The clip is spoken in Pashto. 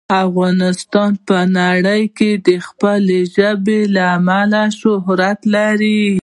افغانستان په نړۍ کې د خپلو ژبو له امله شهرت لري.